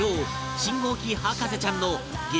信号機博士ちゃんの激